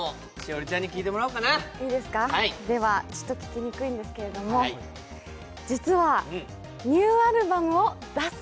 ではちょっと聞きにくいんですけれども、実はニューアルバムを出す？